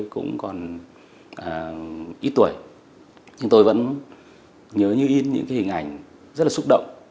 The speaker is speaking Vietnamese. cũng còn ít tuổi nhưng tôi vẫn nhớ như in những hình ảnh rất là xúc động